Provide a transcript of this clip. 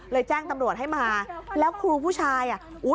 แจ้งตำรวจให้มาแล้วครูผู้ชายอ่ะ